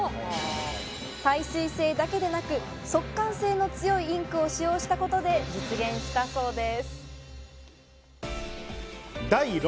耐水性だけでなく、速乾性の強いインクを使用したことで実現したそうです。